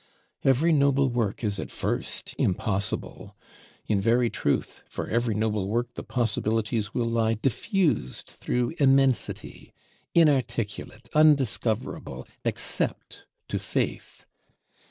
Every noble work is at first "Impossible." In very truth, for every noble work the possibilities will lie diffused through Immensity; inarticulate, undiscoverable except to faith.